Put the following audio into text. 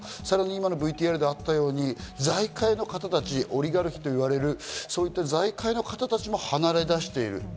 さらに今のＶＴＲであったように財界の方たち、オリガルヒといわれる、そういった財界の方たちも離れだしている。